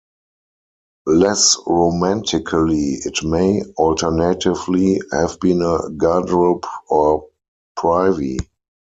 Less romantically, it may, alternatively, have been a garderobe or privy.